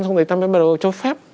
xong rồi ta mới bắt đầu cho phép